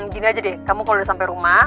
gini aja deh kamu kalau udah sampai rumah